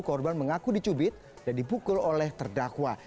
korban mengaku dicubit dan dipukul oleh terdakwa